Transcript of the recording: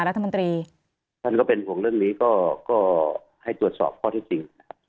นายกรัฐมนตรีก็เป็นห่วงเรื่องนี้ก็ให้ตรวจสอบข้อที่จริง